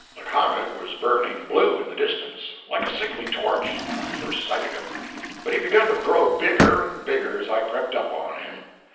The comet was burning blue in the distance, like a sickly torch, when I first sighted him, but he begun to grow bigger and bigger as I crept up on him.